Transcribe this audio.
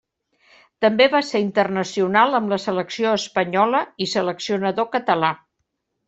També va ser internacional amb la selecció espanyola i seleccionador català.